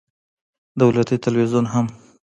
دولتي ټلویزیون هم